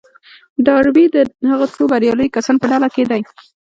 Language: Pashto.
ډاربي د هغو څو برياليو کسانو په ډله کې دی.